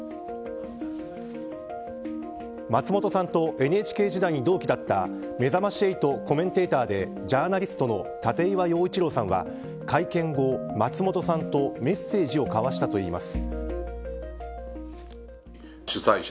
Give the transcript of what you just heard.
松本さんとＮＨＫ時代に同期だっためざまし８コメンテーターでジャーナリストの立岩陽一郎さんは会見後、松本さんとメッセージを交わしたといいます。